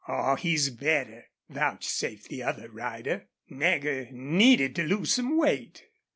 "Aw, he's better," vouchsafed the other rider. "Nagger needed to lose some weight.